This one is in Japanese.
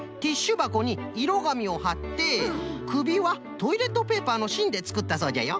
ばこにいろがみをはってくびはトイレットペーパーのしんでつくったそうじゃよ。